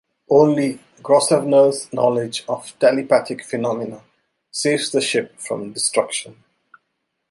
Only Grosvenor's knowledge of telepathic phenomena saves the ship from destruction.